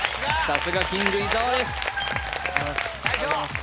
さすがキング伊沢です